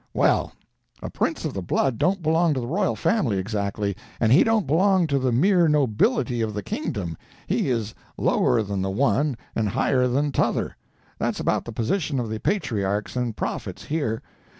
"Well, a prince of the blood don't belong to the royal family exactly, and he don't belong to the mere nobility of the kingdom; he is lower than the one, and higher than t'other. That's about the position of the patriarchs and prophets here.